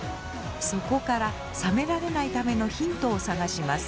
そこから冷められないためのヒントを探します。